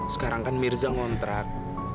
sekarang kan mirza ngontrak